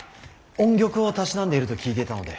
音曲をたしなんでいると聞いていたので。